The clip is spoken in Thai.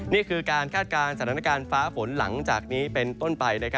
นี่คือการคาดการณ์สถานการณ์ฟ้าฝนหลังจากนี้เป็นต้นไป